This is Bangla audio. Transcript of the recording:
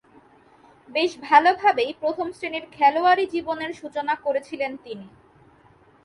বেশ ভালোভাবেই প্রথম-শ্রেণীর খেলোয়াড়ী জীবনের সূচনা করেছিলেন তিনি।